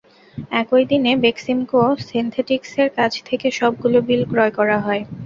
একই দিনে বেক্সিমকো সিনথেটিক্সের কাছ থেকে সবগুলো বিল ক্রয় করা হয়।